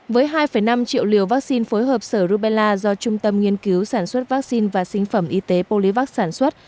với hai năm triệu liều vaccine phối hợp sở rubella do trung tâm nghiên cứu sản xuất vaccine và sinh phẩm y tế polivac sản xuất